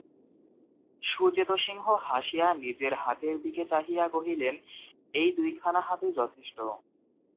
সুচেতসিংহ হাসিয়া নিজের হাতের দিকে চাহিয়া কহিলেন এই দুইখানা হাতই যথেষ্ট।